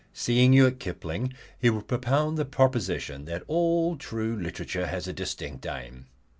Seeing you at Kipling, he will propound the proposition that "all true literature has a distinct aim."